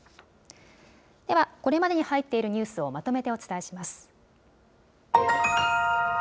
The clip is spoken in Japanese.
ではこれまでに入っているニュースをまとめてお伝えします。